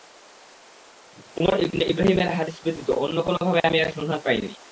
Umar ibn ইবরাহীম-এর হাদীস ব্যতীত অন্য কোনভাবে আমি এর সন্ধান পাইনি।